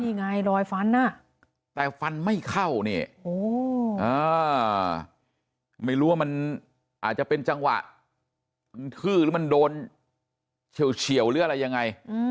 นี่ไงรอยฟันแต่ฟันไม่เข้าเนี่ยไม่รู้ว่ามันอาจจะเป็นจังหวะมันทื้อหรือมันโดนเฉียวหรืออะไรยังไง